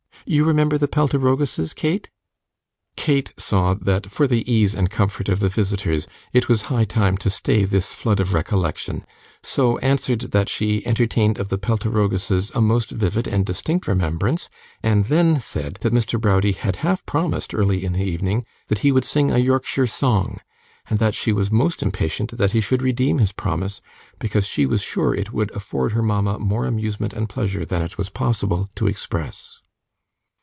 You remember the Peltiroguses, Kate?' Kate saw that for the ease and comfort of the visitors it was high time to stay this flood of recollection, so answered that she entertained of the Peltiroguses a most vivid and distinct remembrance; and then said that Mr. Browdie had half promised, early in the evening, that he would sing a Yorkshire song, and that she was most impatient that he should redeem his promise, because she was sure it would afford her mama more amusement and pleasure than it was possible to express.